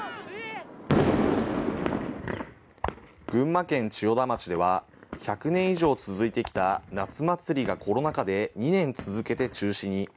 群馬県千代田町では、１００年以上続いてきた夏祭りがコロナ禍で２年続けて中止に。